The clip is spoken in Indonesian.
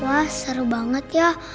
wah seru banget ya